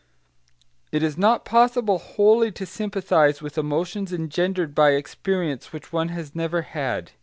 It is not possible wholly to sympathise with emotions engendered by experience which one has never had.